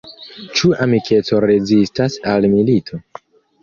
Ĉu amikeco rezistas al milito?